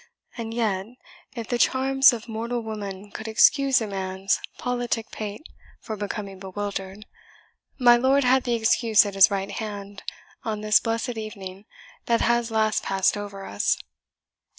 And yet if the charms of mortal woman could excuse a man's politic pate for becoming bewildered, my lord had the excuse at his right hand on this blessed evening that has last passed over us.